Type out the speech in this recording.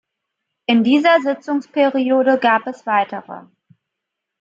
In dieser Sitzungsperiode gab es weitere.